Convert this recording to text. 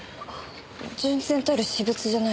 純然たる私物じゃないですか。